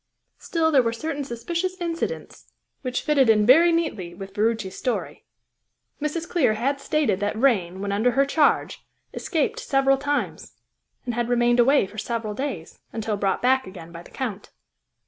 Still there were certain suspicious incidents which fitted in very neatly with Ferruci's story. Mrs. Clear had stated that Vrain, when under her charge, escaped several times, and had remained away for several days, until brought back again by the Count.